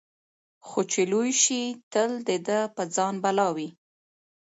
خو چي لوی سي تل د ده په ځان بلاوي